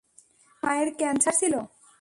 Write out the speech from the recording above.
তোমার মায়ের ক্যান্সার ছিল?